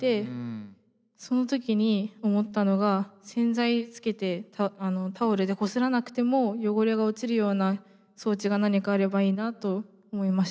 その時に思ったのが洗剤つけてタオルでこすらなくても汚れが落ちるような装置が何かあればいいなと思いました。